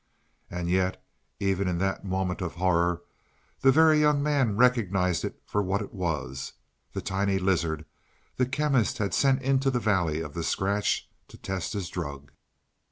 And yet, even in that moment of horror, the Very Young Man recognized it for what it was the tiny lizard the Chemist had sent into the valley of the scratch to test his drug!